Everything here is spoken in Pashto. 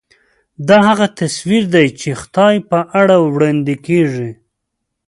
دا هغه تصویر دی چې خدای په اړه وړاندې کېږي.